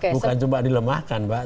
bukan cuma dilemahkan mbak